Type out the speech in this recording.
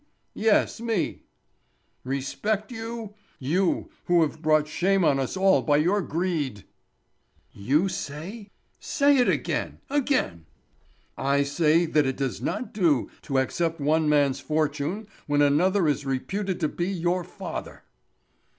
"Yes—me." "Respect you? You who have brought shame on us all by your greed." "You say—? Say it again—again." "I say that it does not do to accept one man's fortune when another is reputed to be your father."